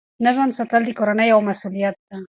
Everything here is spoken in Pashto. نظم ساتل د کورنۍ یوه مسؤلیت ده.